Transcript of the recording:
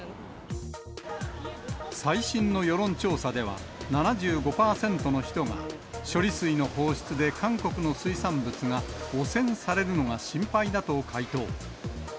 最新の世論調査では、７５％の人が処理水の放出で韓国の水産物が汚染されるのが心配だと回答。